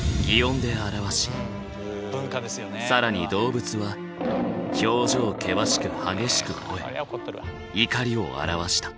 更に動物は表情険しく激しくほえ怒りを表した。